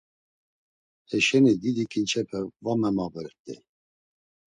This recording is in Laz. Heşeni didi ǩinçepe var memabert̆ey.